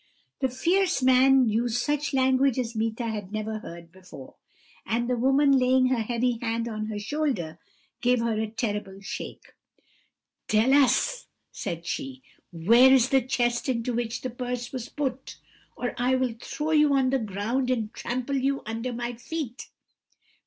"The fierce man used such language as Meeta had never heard before; and the woman, laying her heavy hand on her shoulder, gave her a terrible shake. "'Tell us,' said she, 'where is the chest into which the purse was put, or I will throw you on the ground and trample you under my feet.'